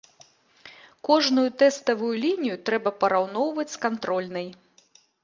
Кожную тэставую лінію трэба параўноўваць з кантрольнай.